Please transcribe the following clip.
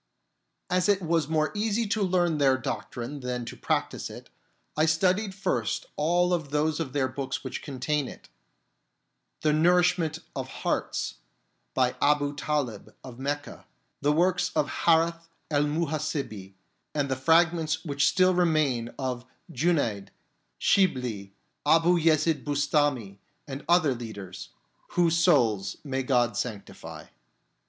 As it was more easy to learn their doctrine than to practise it, I studied first of all those of their books which contain it : The Nourishment of Hearts, by Abu Talib of Mecca, the works of Hareth el Muhasibi, and the fragments which still remain of Junaid, Shibli, Abu Yezid Bustami and other leaders (whose souls may God sanctify).